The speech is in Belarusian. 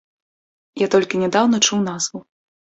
Я толькі нядаўна чуў назву.